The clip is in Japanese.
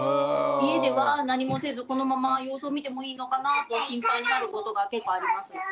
家では何もせずこのまま様子を見てもいいのかなって心配になることが結構あります。